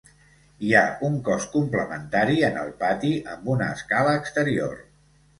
Hi ha un cos complementari en el pati amb una escala exterior.